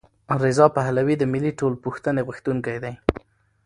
رضا پهلوي د ملي ټولپوښتنې غوښتونکی دی.